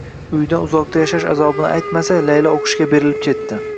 Uyidan uzoqda yashash azobini aytmasa Laylo o`qishga berilib ketdi